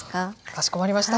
かしこまりました。